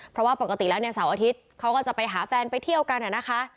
เพราะว่าปกติแล้วเนี่ยเสาร์อาทิตย์เขาก็จะไปหาแฟนไปเที่ยวกันนะคะ